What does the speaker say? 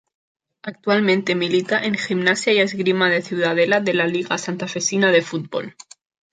Actualmente milita en Gimnasia y Esgrima de Ciudadela de la Liga Santafesina de Fútbol.